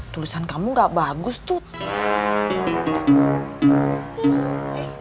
tulisan kamu gak bagus tuh